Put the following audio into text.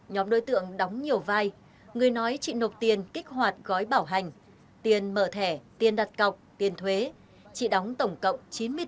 nhóm đối tượng đóng nhiều vai người nói chị nộp tiền kích hoạt gói bảo hành tiền mở thẻ tiền đặt cọc tiền thuế chị đóng tổng cộng chín mươi triệu đồng